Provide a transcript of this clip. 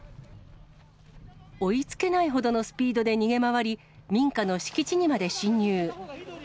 追いつけないほどのスピードで逃げ回り、民家の敷地にまで侵入。